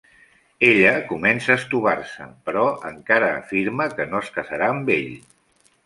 Ella comença a estovar-se, però encara afirma que no es casarà amb ell.